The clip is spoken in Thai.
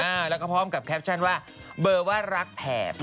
อ่าแล้วก็พร้อมกับแคปชั่นว่าเบอร์ว่ารักแผบ